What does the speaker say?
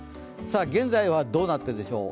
現在はどうなっているでしょう。